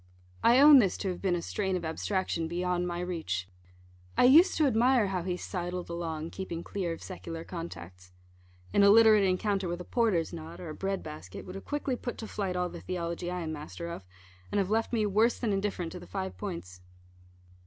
I own this to have been a strain of abstraction beyond my reach. I used to admire how he sidled along, keeping clear of secular contacts. An illiterate encounter with a porter's knot, or a bread basket, would have quickly put to flight all the theology I am master of, and have left me worse than indifferent to the five points.